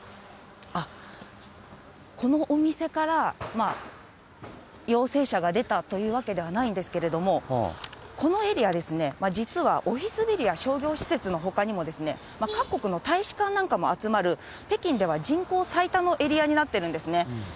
このお店から陽性者が出たというわけではないんですけれども、このエリアですね、実はオフィスビルや商業施設のほかにも各国の大使館なども集まる、北京では人口最多のエリアになってるんですね。